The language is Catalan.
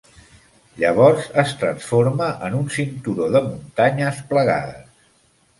Llavors es transforma en un cinturó de muntanyes plegades.